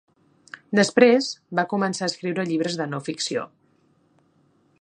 Després, va començar a escriure llibres de no ficció.